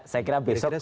saya kira besok